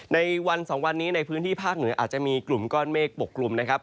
ในวันสองวันนี้ในพื้นที่ภาคเหนืออาจจะมีกลุ่มก้อนเมฆปกกลุ่มนะครับ